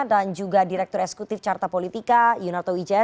dan juga direktur eksekutif carta politika yunarto wijaya